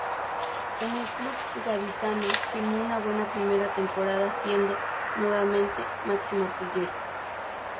En el club gaditano firmó una buena primera temporada siendo, nuevamente, máximo artillero.